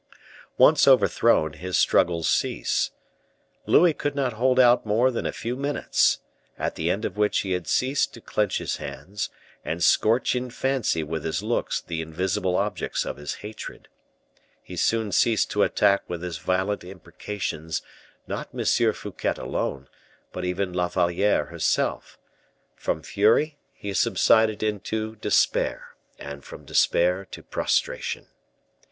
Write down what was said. Once overthrown, his struggles cease. Louis could not hold out more than a few minutes, at the end of which he had ceased to clench his hands, and scorch in fancy with his looks the invisible objects of his hatred; he soon ceased to attack with his violent imprecations not M. Fouquet alone, but even La Valliere herself; from fury he subsided into despair, and from despair to prostration.